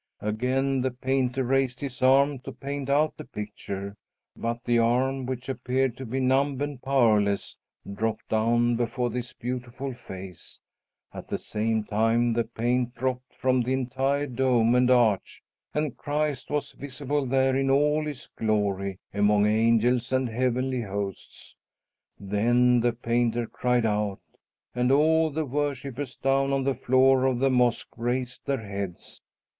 Again the painter raised his arm to paint out the picture, but the arm, which appeared to be numb and powerless, dropped down before this beautiful face; at the same time the paint dropped from the entire dome and arch, and Christ was visible there in all his glory, among angels and heavenly hosts. Then the painter cried out, and all the worshippers down on the floor of the mosque raised their heads.